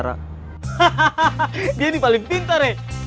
hahaha dia ini paling pintar ya